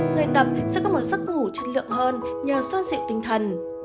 người tập sẽ có một giấc ngủ chất lượng hơn nhờ soa dịu tinh thần